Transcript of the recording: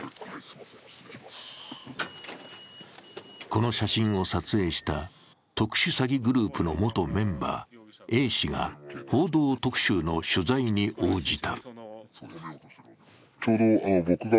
この写真を撮影した特殊詐欺グループの元メンバー、Ａ氏が「報道特集」の取材に応じた。